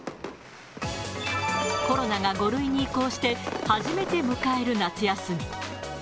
コロナが５類に移行して、初めて迎える夏休み。